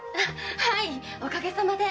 はいおかげさまで。